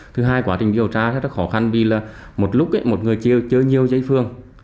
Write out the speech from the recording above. thứ hai quá trình điều tra rất là khó khăn vì một lúc một người chơi nhiều chơi phưởng